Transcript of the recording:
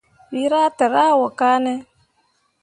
Wǝ rah tǝrah wo kane.